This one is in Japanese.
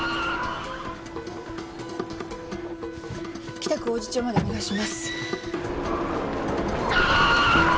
北区王子町までお願いします。